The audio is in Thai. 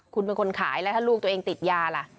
คุณเป็นคนขายแล้วถ้าลูกตัวเองติดยาล่ะ